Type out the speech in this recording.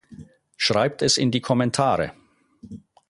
Schreibt es in die Kommentare.